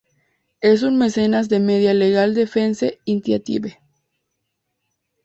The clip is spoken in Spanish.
Es un mecenas de Media Legal Defense Initiative.